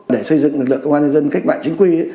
để xây dựng lực lượng công an nhân dân cách mạng chính quy